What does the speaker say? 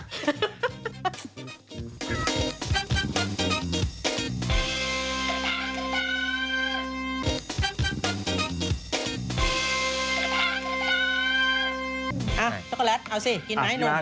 ท็กโกแลตเอาสิกินไหมหนุ่ม